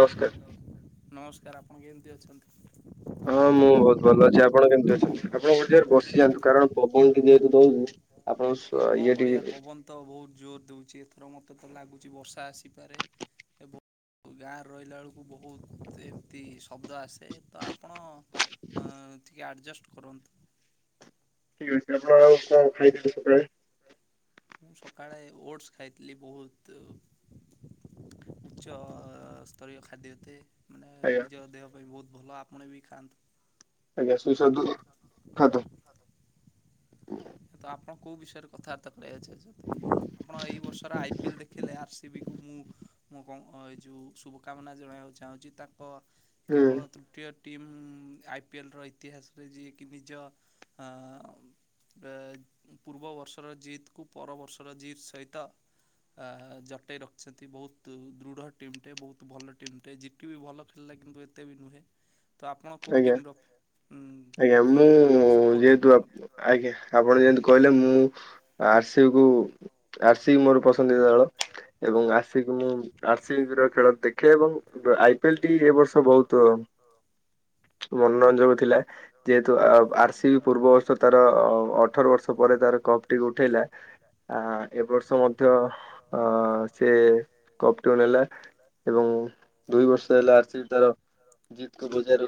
Oscar. ନମସ୍କାର ଆପଣ କେମତି ଅଛନ୍ତି? ଅ ଅ ମୁଁ ବୋହୁତ ଭଲ ଅଛି ଆପଣ କେମତି ଅଛନ୍ତି? ଆପଣ ଗୋଟେ ଜାଗାରେ ବସିଯାଆନ୍ତୁ କାରଣ ପବ କେତେ ଜୋରରେ ଦଉଚି ଆପ ଓ ଶୁଆ ଇଏ ଟିଏ ତ ବୋହୁତ ଜୋର ଦୋଉଚି ଏଥର। ତତେ ଲାଗୁଚି ବର୍ଷା ଆସିପାରେ ଏବଂ ଗାଁରେ ରହିଲା ଅଳୁକୁ ବହୁ ଏମତି ଶବ୍ଦ ଆସେ ତ ଆପଣ ଅଁ ଟିକେ ଆଡ଼ଜଷ୍ଟ୍ କରନ୍ତୁ। ଠିକ୍ ଅଛି ଆପଣ କଣ ଖାଇଥିଲେ ସକାଳେ? ମୁଁ ସକାଳେ ଓଟସ୍ ଖାଇଥିଲି ବୋହୁତ ଉଚ୍ଚସ୍ତତରୀୟ ଖାଦ୍ୟ ଏତେ। ମାନେ ନିଜ ଦେହ ପାଇଁ ବୋହୁତ ଭଲ ଆପଣ ବି ଖାଆନ୍ତୁ। ଆଜ୍ଞା ସୁସ୍ୱାଦୁ ଖାଦ। ତ ଆପଣ କୋଉ ବିଷୟରେ କଥାବାର୍ତ୍ତା କରେଇବାକୁ ଚାହୁଚ ଆପଣ ଏଇ ବର୍ଷର ଆଇ ପିଏଲ ଦେଖିଲେ ଆର୍ ସ ବି କୁ ମୁଁ ମୁଁ କଁ ଏଯଉ ଶୁଭକାମନା ଜଣାଇବାକୁ ଚାହୁଁଚି ତା ଅ କେବଳ ତୃତୀୟ ଟିମ୍ ଆଇ ପି ଏଲ୍ ର ଇତିହାସରେ ଯିଏ କି ନିଜ ଅ ବେ ପୂର୍ବ ବର୍ଷର ଜତ୍ କୁ ପର ବର୍ଷର ଜିତ୍ ସହିତ ଆ ଜଟେଇ ରଖିଛନ୍ତି ବୋହୁତ ଦୃଢ଼ ଟିମ୍ ଟେ ବୋହୁତ ଭଲ ଟିମ୍ ଟେ ଜିି ଟି ବି ଭଲ ଖେଲଲା କିନ୍ତୁ ଏତେ ବି ନୁହେଁ। ତ ଆପଣ କୋଉ ଟିମ୍ ର ଉଁ ଯେ ସପୋର୍ଟ କରନ୍ତି? ଆପଣ ଯେମିତି କହିଲେ ମୁଁ ଆର୍ ସି ବି କୁ ଆର୍ ସିି ବି ମୋର ପସନ୍ଦ ଦଳ। ଏବଂ ଆର୍ ସି ବି କୁ ଆର୍ ସରି ବି ପୁରା ଖେଳ ଦେଖିବାକୁ ଆଇ ପି ଏଲ୍ ଟିମ୍ ଏ ବର୍ଷ ବହୁତ ମନ ରଞ୍ଜକ ଥିଲା ଯେହେତୁ ଅ ଆର୍ ସି ବି ପୂର୍ବ ବର୍ଷ ତର ଅଠର ବର୍ଷ ପରେ ତାର କପ୍ ଟି ଉଠେଇଲା ଆ ଏ ବର୍ଷ ମଧ୍ୟ ଅ ସିଏ କପ୍ ଟି ନେଲା ଏବଂ ଦୁଇ ବର୍ଷ ହେଲା ଆର୍ ସି ବି ତାର ଜିତ୍ କୁ ବଜାୟ ର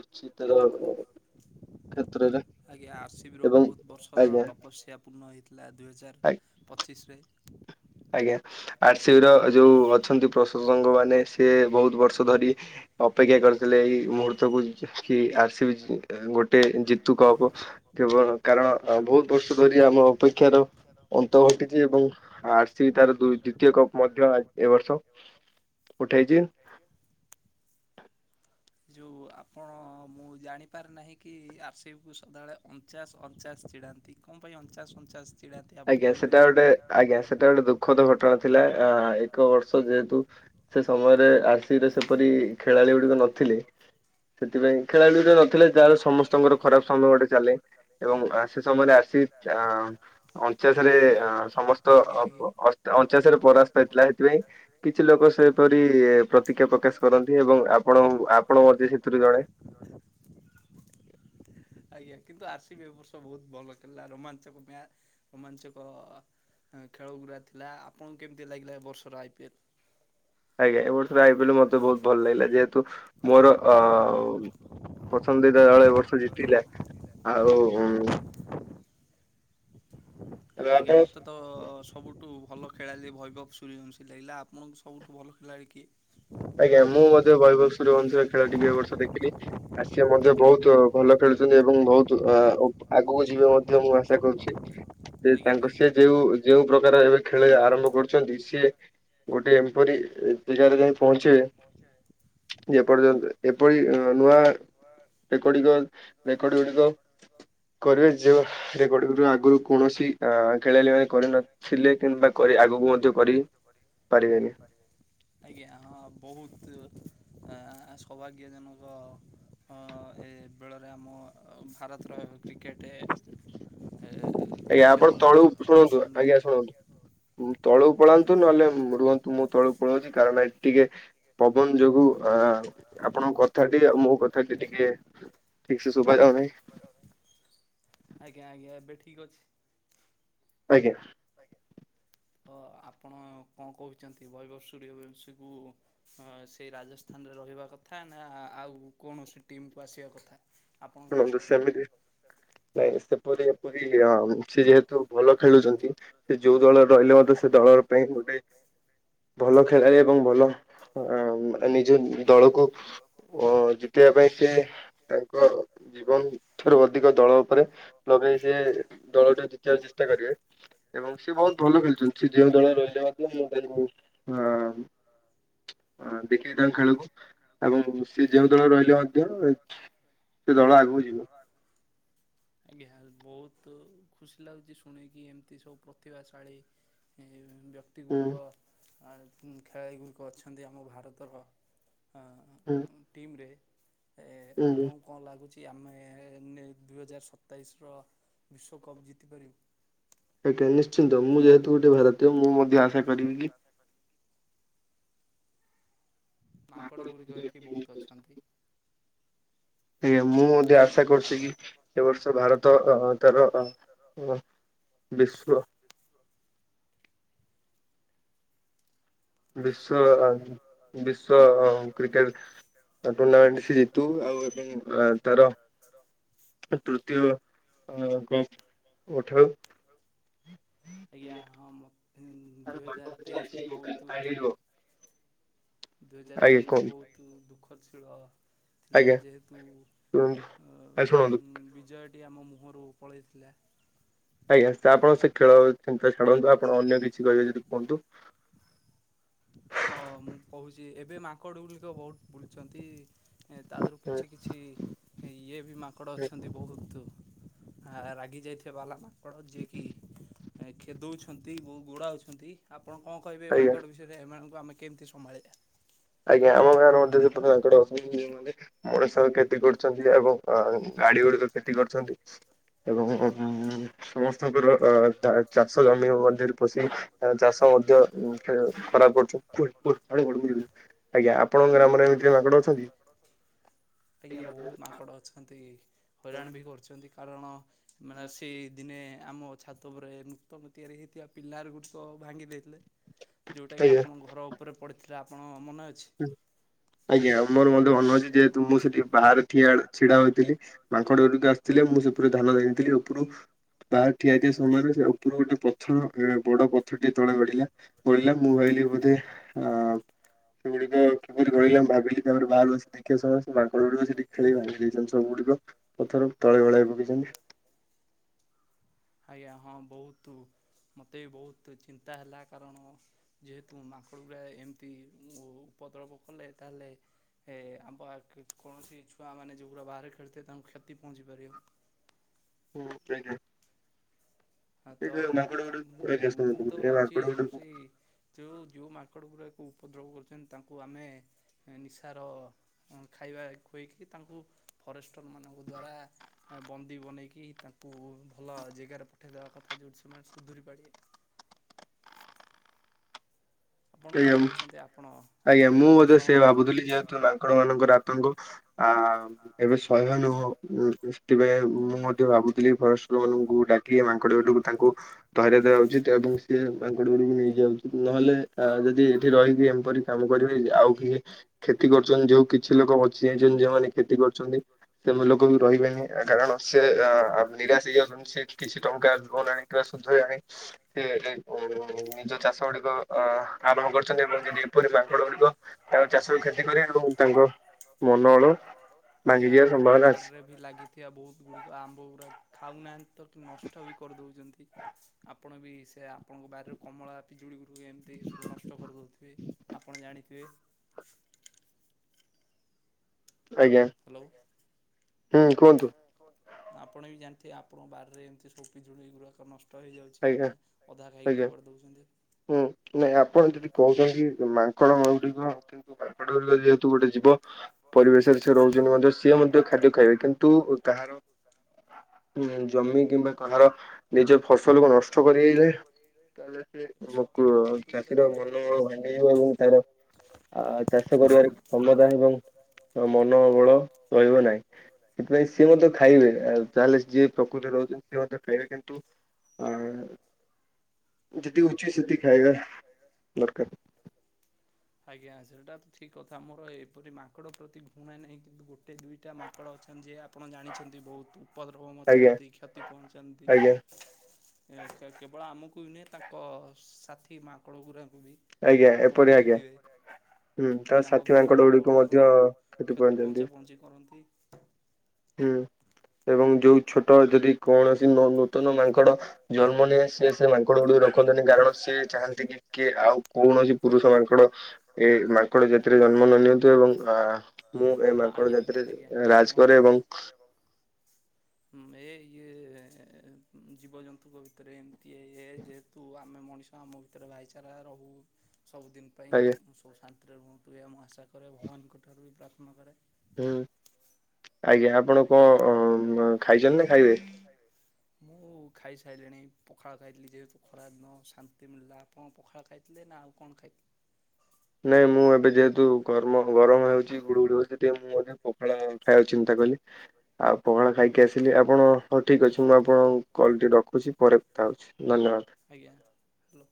ଆଜ୍ଞା ଆର୍ ସି ବି ର ବୋହୁତ ବର୍ଷର ତପସ୍ୟା ପୂର୍ଣ୍ଣ ହେଇ ହେଲା ଦୁଇହଜାର ପଚିଶ୍ ରେ। ଆଜ୍ଞା। ଆର୍ ସରି ବି ର ଯୋଉ ଅଛନ୍ତି ପ୍ରଶସଙ୍କମାନେ ସିଏ ବୋହୁତ ବର୍ଷ ଧରି ଅପେକ୍ଷା କରିଥିଲେ। ଏଇ ମୁହୂର୍ତ୍ତକୁ କି ଆର୍ ସି ବି ଜି ଗୋଟେ ଜିତୁ କପ୍ କେବଳ କାରଣ ଅ ବୋହୁତ ବର୍ଷ ଧରି ଆମ ଅପେକ୍ଷାର ଅନ୍ତ ଘଟିଚି ଏବଂ ଆର୍ ସି ବି ତାର ଦୁଇଟି ଦ୍ୱିତୀୟ କପ ମଧ୍ୟ ଆଜି ଏ ବର୍ଷ ଉଠେଇଛି ଯୋଉ ଆପଣ ମୁଁ ଜାଣିପାରେ ନାହିଁ କି ଆର୍ ସି ବି କୁ ସବୁବେଳେ ଅଞ୍ଚାସ ଅଞ୍ଚାସ୍ ଚିଡାନ୍ତି। କଣ ପାଇଁ ଅଞ୍ଚାସ୍ ଅଞ୍ଚାସ୍ ଆଜ୍ଞା। ସେଇଟା ଗୋଟେ ଆଜ୍ଞା ସେଇଟା ଗୋଟେ ଦୁଃଖଦ ଘଟଣା ଥିଲା। ଆ ଏକ ବର୍ଷ ଯେହେତୁ ସେ ସମୟରେ ଆର୍ ସି ବି ରେ ସେପରି ଖେଳାଳି ଗୁଡ଼ିକ ନଥିଲେ, ସେଥିପାଇଁ ଖେଳାଳି ଗୁଡ଼ିକ ନଥିଲେ, ଯାହାର ସମସ୍ତଙ୍କର ଖରାପ ସମୟ ଗୋଟେ ଚାଲେ ଏବଂ ସେ ସମୟରେ ଆର୍ ସି ବି ଆ ଅଞ୍ଚାସ୍ ରେ ସମସ୍ତ ଅ ପ ଅଷ୍ଟ ଅଞ୍ଚାସ୍ ରେ ପରାସ୍ତ ହେଇଥିଲା, ସେଥିପାଇଁ କିଛି ଲୋକ ସେପରି ପ୍ରତିଜ୍ଞା ପ୍ରକାଶ କରନ୍ତି ଏବଂ ଆପଣଙ୍କ ଆପଣ ମଧ୍ୟ ସେଥିରୁ ଜଣେ। ଆଜ୍ଞା କିନ୍ତୁ ଆର୍ ସି ବି ଏ ବର୍ଷ ବହୁତ ଭଲ ଖେଳିଲା, ରୋମାଞ୍ଚକ ମ୍ୟାଚ୍ ରୋମାଞ୍ଚକ ଖେଳ ଗୁରା ଥିଲା। ଆପଣଙ୍କୁ କେମିତି ଲାଗିଲା ଏ ବର୍ଷର ଆଇ ପି ଏଲ? ଆଜ୍ଞା। ଏ ବର୍ଷର ଆଇ ପି ଏଲ୍ ମତେ ବହୁତ ଭଲ ଲାଗିଲା। ଯେହେତୁ ମୋର ଅ ପସନ୍ଦିତା ଦଳ ଏ ବର୍ଷ ଜିତିଲା ଆଉ ଉଁ ଆଜ୍ଞା ମତେ ତ ସବୁଠୁ ଭଲ ଖେଳାଳି ଭୈବବ ସୂର୍ଯ୍ୟବଂଶୀ ଲାଗିଲା। ଆପଣଙ୍କୁ ସବୁଠୁ ଭଲ ଖେଳାଳି କିଏ? ଆଜ୍ଞା ମୁଁ ମଧ୍ୟ ବୈଭବ ସୂର୍ଯ୍ୟବଂଶୀର ଖେଳ ଟିକେ ଏ ବର୍ଷ ଦେଖିଲି। ଆ ସିଏ ମଧ୍ୟ ବହୁତ ଭଲ ଖେଳି ଳୁଛନ୍ତି ଏବଂ ବହୁତ ଆଗକୁ ଯିବେ ମଧ୍ୟ ମୁଁ ଆଶା କରୁଛି। ସେ ତାଙ୍କର ସେ ଯେଉ ଯେଉଁ ପ୍ରକାର ଏବେ ଖେଳିଆ ଆରମ୍ଭ କରୁଚନ୍ତି ସିଏ ଗୋଟେ ଏପରି ଏ ଜାଗାରେ ଯାଇଁ ପହଞ୍ଚିବେ ଯେପର୍ଯ୍ୟନ୍ତେ ଏପରି ନୂଆ ରେକଡିଂ ର ରେକର୍ଡ ଗୁଡିକ କରିବେ ଯେଉଁ ରେକର୍ଡ଼ ଗୁଡ଼ିକ ଆଗରୁ କୌଣସି ଆ ଖେଳାଳି ଭାବେ କରି ନଥିଲେ କିନ୍ତୁ ତାକୁ ଆଗକୁ ମଧ୍ୟ କରି ପାରିବେନି। ଆଜ୍ଞା ହଁ ବହୁତ ସୌଭାଗ୍ୟ ଜନକ ହଁ ଏ ବେଳରେ ଆମ ଭାରତର କ୍ରିକେଟେ ଆଜ୍ଞା। ଆପଣ ତଳୁ ଶୁଣନ୍ତୁ ଆଜ୍ଞା ଶୁଣନ୍ତୁ। ତଳକୁ ପଳାନ୍ତୁ ନହେଲେ ରୁହନ୍ତୁ ମୁଁ ତଳକୁ ପଳଉଚି କାରଣ ଏଇଟି ଟିକେ ପବନ ଯୋଗୁ ଆ ଆପଣଙ୍କ କଥା ଟିକେ ମୋ କଥାଟା ଟିକେ ଠିକ୍ ସେ ଶୁଭା ଯାଉନାହିଁ। ଆଜ୍ଞା ଆଜ୍ଞା ଏବେ ଠିକ୍ ଅଛି। ଆଜ୍ଞା। ହଁ ଆପଣ କଣ କହୁଛନ୍ତି ବୈଭବ ସୂର୍ଯ୍ୟବଂଶୀକୁୁ ସେଇ ରାଜସ୍ଥାନ ରହିବା କଥା ନା ଆଉ କୌଣସି ଟିମ୍ କୁ ଆସିବା କଥା? ଶୁଣନ୍ତୁ ସେମିତି ନାଇଁ ସେପରି ଏପରି ହଁ ସେ ଯେହେତୁ ଭଲ ଖେଳୁଛନ୍ତି, ସେ ଯୋଉ ଦଳରେ ରହିଲେ ମଧ୍ୟ ସେ ଦଳର ପାଇଁ ଗୋଟାଇ ଖେଳାଳି ଏବଂ ଆଁ ଭଲ ନିଜ ଦଳକୁ ଓ ଜିତିବା ପାଇଁ ସିଏ ତାଙ୍କ ଜୀବନ ଠାରୁ ଅଧିକ ଦଳ ଉପରେ ଲଗେଇ ସେ ଦଳଟା ଜିତିବାକୁ ଚେଷ୍ଟା କରିବେ। ଏବଂ ସିଏ ବହୁତ ଭଲ ଖେଳୁଛନ୍ତି। ସିଏ ଯେଉଁ ଦଳରେ ରହିଲେ ମଧ୍ୟ ମୁଁ ତାଙ୍କୁ ହଁ ହଁ ଦେଖିଚି ତାଙ୍କ ଖେଳକୁ ଏବଂ ସେ ଯେଉଁ ଦଳରେ ରହିଲେ ମଧ୍ୟ ସେ ଦଳ ଆଗକୁ ଯିବ। ଆଜ୍ଞା ବହୁତ ଖୁସି ଲାଗୁଛି ଶୁଣିକି ଏମିତି ସବୁ ପ୍ରତିଭାଶାଳୀ [unintelligible] ବ୍ୟକ୍ତି ଗୁଡ଼ିକ ଖେଳାଳି ଗୁଡ଼ିକ ଅଛନ୍ତି ଆମ ଭାରତର ଆ ଟିମ୍ ରେ ଏ ଏ ଆପଣଙ୍କୁ କଣ ଲାଗୁଛି କି ଆମେ, ଦୁଇହଜାର ସତାଇଶ ର ବିଶ୍ଵକପ୍ ଜିତିପାରିବୁ? ସେଟା ନିଶ୍ଚିନ୍ତ। ମୁଁ ଯେହେତୁ ଗୋଟେ ଭାରତୀୟ, ମୁଁ ମଧ୍ୟ ଆଶା କରିବି କି ମାଙ୍କଡ ଗୁଡିକ ଏଠି ବହୁତ ଅଛନ୍ତି। ଏ ମୁଁ ମଧ୍ୟ ଆଶା କରୁଛି କି ଏ ବର୍ଷ ଭାରତ ତାର ଅ। ବିଶ୍ଵ। ବିଶ୍ୱ ଅ ବିଶ୍ଵ କ୍ରିକେଟ। ଟୁର୍ଣ୍ଣାମେଣ୍ଟ ସେ ଜିତୁ ଆଉ ଏବଂ ତାର। ତୃତୀୟ ଅ କପ ଉଠାଉ। ଆଜ୍ଞା ହଁ ମ ଇ ଦୁଇ ହଜାର ତେଇଶ ଟି ବହୁତୁ। [unintelligible] ଦୁଇ ହଜାର ତେଇଶି ଟୁ ବହୁତୁ ଦୁଃଖ ଛିଳ। ଥିଲା ଯେହେତୁ ଅ ଉଁ ବିଜୟ। ଆମ ମୁହଁରୁ ପଳେଇଥିଲା। ଆଜ୍ଞା ଆପଣ ସେ ଖେଳ ଚିନ୍ତା ଛାଡ଼ନ୍ତୁ ଆପଣ ଅନ୍ୟ କିଛି କହିବେ ଯଦି କୁହନ୍ତୁ। ତ ମୁଁ କହୁଛି ଏବେ ମାଙ୍କଡ ଗୁଡିକ ବହୁତ ବୁଲୁଛନ୍ତି। ତା ଧିଅରୁ କିଛି କିଛି ଇଏ ବି ମାଙ୍କଡ଼ ଅଛନ୍ତି ବହୁତ। ଆ ରାଗି ଯାଇଥିବା ବାଲା ମାଙ୍କଡ ଯିଏକି ଏ ଖେଦଉଛ ଅଛନ୍ତି ଗୋ-ଗୋଡାଉଛନ୍ତି ଆପଣ କଣ କହିବେ ଏ ମାଙ୍କଡ଼ ବିଷୟରେ ଏମାନଙ୍କୁ ଆମେ କେମିତି ସମ୍ଭାଳିବା। ଆଜ୍ଞା ଆମ ଗାଁର ଅଣ୍ଡିରିପୁରେ ମାଙ୍କଡ ଅଛନ୍ତି ଯେଉଁ ମାନେ ମଣିଷର କ୍ଷତି କରୁଛନ୍ତି ଏବଂ ଅ ଗାଡି ଗୁଡିକ କ୍ଷତି କରୁଛନ୍ତି ଏବଂ ଉଁ ସମସ୍ତଙ୍କର ଅ ଟା ଚାଷ ଜମି ମଧ୍ୟରେ ପଷି ତାଙ୍କ ଚାଷ ମଧ୍ୟ ଉଁ କ୍ଷୟ ଖରାପ କରୁଛନ୍ତି। [unintelligible] ଆଜ୍ଞା ଆପଣଙ୍କ ଗ୍ରାମରେ ଏମିତିଆ ମାଙ୍କଡ ଅଛନ୍ତି? ଆଜ୍ଞା ବହୁତ ମାଙ୍କଡ ଅଛନ୍ତି ହଇରାଣ ବି କରୁଛନ୍ତି। କାରଣ ମାନେ ସେ ଦିନେ ଆମ ଛାତ ଉପରେ ତମେ ତିଆରି ହେଇଥିବା ପିଲାର ଗୁଡ଼ିକ ଭାଙ୍ଗି ଦେଇଥିଲେ ଯୋଉଟା କିି ଆପଣଙ୍କ ଘର ଉପରେ ପଡିଥି ଯା ଆପଣ। ଆଜ୍ଞା ମୋର ମନେ ଭଲ ଅ ଯେହେତୁ ମୁଁ ସେଠି ବାହାରେ ଠିଆ ଛିଡା ହୋଇଥିଲି ମାଙ୍କଡଗୁଡିକ ଆସିଥିଲେ ମୁଁ ସେପ୍ରତି ଧ୍ୟାନ ଦେଇନଥିଲି ଉପରୁ। ବାହାରୁ ଠିଆ ହେଇଥିବା ସମୟରେ ସେ ଉପରୁ ଗୋଟେ ପଥର ଏଡେ ବଡ ପଥର ଟିଏ ତଳେ ଗଡିଲା ଗଡିଲା ମୁଁ ଭାବି ଇଏ ବୋଧେ ଆ। ସେଗୁଡିକ କିପରି ଗଳିଲେ ମୁ ଭାବିଲି ତାପରେ ବାହାରୁ ଆସି ଦେଖୀବା ସମୟ ରେ ସେ ମାଙ୍କଡ ଗୁଡ଼ିକ ସେଠି ଖେଳି ଭାଙ୍ଗି ଦେଇଛନ୍ତି ସବୁ ଗୁଡ଼ିକ। ପଥର ତଳେ ଗଳେଇ ପକେଇଛନ୍ତି। ଆଜ୍ଞା ହଁ ବହୁତୁ। ମୋତେ ବି ବହୁତ ଚିନ୍ତା ହେଲା କାରଣ ଯେହେତୁ ମାଙ୍କଡ଼ ଗୁଡ଼ା ଏମିତି ମୋ ଉପତଳପ କଲେ ତାହେଲେ। ଏ ଆମ୍ବ ଆକୁ କୌଣସି ଛୁଆ ମାନେ ଯଉଗୁଡା ବାହାରେ ଖେଳୁଥିଵେ ତାଙ୍କୁ କ୍ଷତି ପହଞ୍ଚି ପାରିବ। ହୁଁ ସେଇଟା ହିଁ। ହଁ ତ ମୁଁ ମୁଁ ତ ଭାବୁଛି ଏବ ର ସେଇ ଯୋଉ ଯୋଉ ମାଙ୍କଡ ଗୁରା। ଉପଦ୍ରବ କରୁଛନ୍ତି ତାଙ୍କୁ ଆମେ ଏ ନିଶାର ଖାଇବା ଖୋଇକି ତାଙ୍କୁ। ଫରେଷ୍ଟର ମାନଙ୍କ ଦ୍ଵାରା ଏ ବନ୍ଦୀ ବନେଇକି ତାଙ୍କୁ ଭଲ ଜେଗାରେ ପଠେଇଦେବା କଥା ଯଉଠି ସେମାନେ ସୁଧୁରି ପାରିବେ। ଆପଣ କଣ କହୁଛନ୍ତି ଆପଣ। ଆଜ୍ଞା ମୁଁ ମଧ୍ୟ ସେଇଆ ଭାବୁଥିଲି ଯେହେତୁ ମାଙ୍କଡ ମାନଙ୍କର ଆତଙ୍କ ଆ ଏବେ ଶହ ନୁହଁ ମୁଁ ଉଁ ସେଥିପାଇଁ ମୁଁ ମଧ୍ୟ ଭାବୁ ଥିଲି ଫରେଷ୍ଟ ମାନଙ୍କୁ ଡାକି ଏ ମାଙ୍କଡ ଗୁଡିକୁ ତାଙ୍କୁ ଧରେଇ ଦେବା ଉଚିତ ଏବଂ ସିଏ ମାଙ୍କଡ ଗୁଡିକୁ ନେଇ। ଯାଆନ୍ତୁ ନହେଲେ। ଆ ଯଦି ଏଠି ରହିକି ଏପରି କାମ କରିବେ ଆଉ କିଏ କ୍ଷତି କରୁଛନ୍ତି ଯୋଉ କିଛି ଲୋକ ବଞ୍ଚି ଯାଇଛନ ଯଉମାନେ କ୍ଷତି କରୁଛନ୍ତି ସେମ ଲୋକ ବି ରହିବେନି ଆ କାରଣ ସେ ଆ। ନିରାଶ ହେଇଯାଉଛନ୍ତି ସେ କିଛି ଟଙ୍କା ଲୋନ ଆଣି କିମ୍ବା ସୁଧୋଇ ଆଣି ସେ ଉଁ ନିଜ ଚା ଚାଷ ଗୁଡ଼ିକ। ଆରମ୍ଭ କରୁଛନ୍ତି ଏବଂ ଯଦି ଏପରି ମାଙ୍କଡ ଗୁଡିକ ତାଙ୍କ ଚାଷକୁ କ୍ଷତି କରିବେ ଏବଂ ତାଙ୍କ। ମନୋବଳ। ଆଜ୍ଞା ଆମର ବାରିରେ ବି ଲାଗିଥିବା ବହୁତ ଗୁଡିକ ଆମ୍ବ ଗୁଡା ଖାଉନାହାନ୍ତି ତ, ନଷ୍ଟ ବି କରିଦଉଚନ୍ତି ଆ ଆପଣ ବି ସେ ଆପଣଙ୍କ ବାରରୁ କମଳା ପିଜୁଳି ଗୁଡ଼ିକ ଏମିତି ସବୁ ନଷ୍ଟ କରିଦେଉଥିବେ, ଆପଣ ଜାଣିଥିବେ। [inaudible] ଆଜ୍ଞା, ହୁଁ କୁହନ୍ତୁ। ଆପଣ ବି ଜାଣିଥିବେ ଆପଣଙ୍କ ବାରିରେ ଏମିତି ପିଜୁଳୀ ଗୁଡ଼ାକ ନଷ୍ଟ ହେଇ ଯାଉଚି କାହିଁକିନା ଅଧା ଖାଇକି ଫପାଡି ଦଉଚନ୍ତି। ହୁଁ, ନାଇଁ ଆପଣ ଯଦି କହୁଚନ୍ତି? ମାଙ୍କଡ଼ ଗୁଡିକ କିନ୍ତୁ ମାଙ୍କଡ ଗୁଡିକ ଯେହେତୁ ଗୋଟେ ଯିବ। ପରିବେଶରେ ସେ ରହୁଚନ୍ତି ମଧ୍ୟ ସିଏ ମଧ୍ୟ ଖାଦ୍ୟ ଖାଇବେ କିନ୍ତୁ ତାହାର ଜମି କିମ୍ବା କାହାର ନିଜ ଫସଲକୁ ନଷ୍ଟ କରିଗଲେ। ତାହେଲ ସେ ମକୁ ର ଚାଷୀର ମନୋବଳ ଭାଙ୍ଗିଯିବ ଏବଂ ତାର ଆ ଚାଷ କରିବାରେ କ୍ଷମତା ଏବଂ ମନୋବଳ ରହିବ ନାହିଁ। ସେଥିପାଇଁ ସିଏ ମତେ ଖାଇବେ ଉ ତାହେଲେ ଯିଏ ପ୍ରକୃତିରେ ରହୁଚି ସେ ମଧ୍ୟ ଖାଇବେ କିନ୍ତୁ ଆ ଯଦି ଉଚି ସେତିି ଖାଇବା ଦରକାର। ଆଜ୍ଞା ସେଟା ତ ଠିକ କଥା ମୋର ଏପରି ମାଙ୍କଡ ପ୍ରତି ଘୁଣା ନାହିଁ କିନ୍ତୁ ଗୋଟ ଟେ ଦୁଇଟା ମାଙ୍କଡ଼ ଅଛନ୍ତି ଯେ ଆପଣ ଜାଣିଛନ୍ତି ବହୁତ ଉପଦ୍ରବ ମଚାନ୍ତି କ୍ଷତି ପହଞ୍ଚନ୍ତି। [inaudible] ଏ କେବଳ ଆମକୁ ବି ନୁହେଁ ତାଙ୍କ ସାଥିୀ ମାଙ୍କଡ ଗୁଡାକୁ ବି ଆପଣ ଦେଖିଥିବେ। ତାଙ୍କ ଭିତରେ ମାଡ ଗୋଳର ଆଉ କ୍ଷତି ପହଞ୍ଚା ପହଞ୍ଚି କରନ୍ତି। ହୁଁ। ଏବଂ ଯୋଉ ଛୋଟ ଯଦି କୌଣସି ନୂ ନୂତନ ମାଙ୍କଡ ଜନ୍ମ ନିଏ, ସେ ସେ ମାଙ୍କଡ ଗୁଡାକୁ ଦେଖନ୍ତନି କାରଣ ସେ ଚାହାନ୍ତି କି କିଏ ଆଉ କୌଣସି ପୁରୁଷ ମାଙ୍କଡ ଏ ମାଙ୍କଡ ଜାତିରେ ଜନ୍ମ ନ ନିଅନ୍ତୁ ଏବଂ ମୁଁ ଏ ମାଙ୍କଡ ଜାତିରେ ରାଜ କରେ, ଏବଂ ହୁଁ ଏ ଇଏ ଜୀବଜନ୍ତୁଙ୍କ ଭିତରେ ଏମିତି ଏଇ ଏ ଯେହେତୁ ଆମେ ମଣିଷ ଆମ ଭିତରେ ଭାଇଚାରା ରହୁ। ସବୁଦିନ ପାଇଁ ମୁଁ ସବୁ ଶାନ୍ତିରେ ରୁହନ୍ତୁ ଏହା ମୁଁ ଆଶା କରେ ଭଗବାନଙ୍କ ଠାରୁ ବି ପ୍ରାର୍ଥନା କରେ। ହୁଁ, ଆଜ୍ଞା ଆପଣ କଣ ଉ ଉଁ ଖାଇଛନ୍ତି ନା ଖାଇବେ? [inaudible] ଖାଇସାଇଲିଣି ପଖାଳ ଖାଇିଥିଲି ଯେହେତୁ ଖରା ଦିନ ଶାନ୍ତି ମିଳିଲା। ଆପଣ ପଖାଳ ଖାଇଥିଲେ ନା ଆଉ କଣ ଖାଇ ନାଇଁ ମୁଁ ଏବେ ଯେହେତୁ ଗରମ ଗରମ ହେଉଚି ଗୁଡୁ ଗୁଡ଼ି ହଉଚି ଟିକେ ମୁଁ ମଧ୍ୟ ପଖାଳ ଖାଇବାକୁ ଚିନ୍ତା କଲି ଆଉ ପଖାଳ ଖାଇକି ଆସିଲି ଆପଣ ହଁ ଠିକ ଅଛି ମୁଁ ଆପଣଙ୍କ କଲ ଟି ରଖୁଚି ପରେ‌ କଥାହଉଛି। ଧନ୍ୟବାଦ। ଆଜ୍ଞା ହାଲୋ।